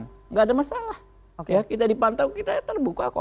tidak ada masalah kita dipantau kita terbuka kok